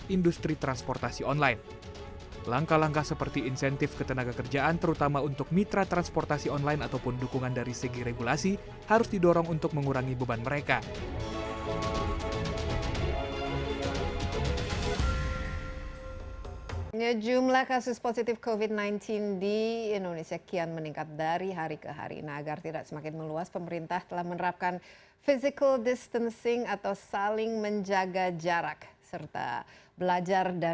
iya masih bersama insight with desi anwar